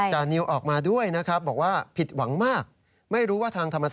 จานิวออกมาด้วยนะครับ